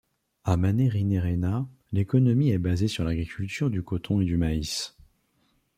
À Manerinerina, l'économie est basée sur l'agriculture du coton et du maïs.